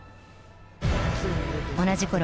同じころ